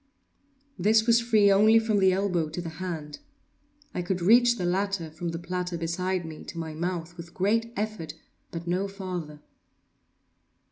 This was free only from the elbow to the hand. I could reach the latter, from the platter beside me, to my mouth, with great effort, but no farther.